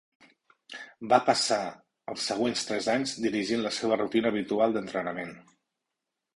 Va passar els següents tres anys dirigint la seva rutina habitual d'entrenament.